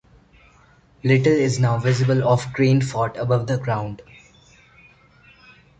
Little is now visible of Grain Fort above the ground.